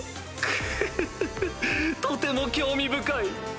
クフフフとても興味深い！